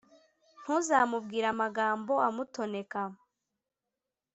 ntuzamubwire amagambo amutoneka,